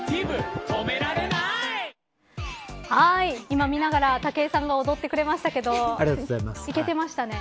今、見ながら武井さんも踊ってくれましたけどいけてましたね。